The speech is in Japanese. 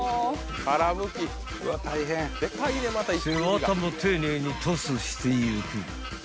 ［背ワタも丁寧にトスしていく］